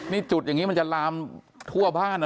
นี่จุดอย่างนี้มันจะลามทั่วบ้านนะ